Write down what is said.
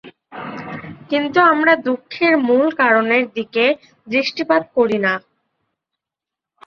কিন্তু আমরা দুঃখের মূল কারণের দিকে দৃষ্টিপাত করি না।